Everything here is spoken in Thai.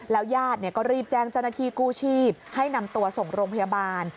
ญาติก็รีบแจ้งเจ้าหน้าที่กู้ชีพให้นำตัวส่งโรงพยาบาล